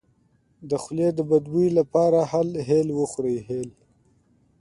د خولې د بد بوی لپاره هل وخورئ